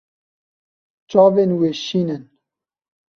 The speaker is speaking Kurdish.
Çavên wê şîn in.